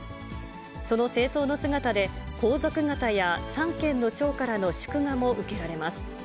その正装の姿で、皇族方や三権の長からの祝賀も受けられます。